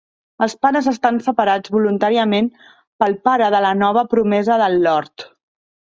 Els pares estan separats voluntàriament pel pare de la nova promesa del Lord.